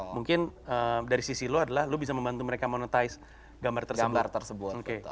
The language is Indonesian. mungkin dari sisi lo adalah lo bisa membantu mereka monetize gambar tergambar tersebut